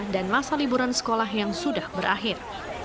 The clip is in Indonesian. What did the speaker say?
dan masa liburan sekolah yang sudah berakhir